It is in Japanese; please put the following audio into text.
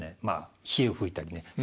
まあ火を噴いたりね